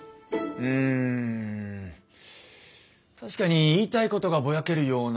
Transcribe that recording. うん確かに言いたいことがぼやけるような。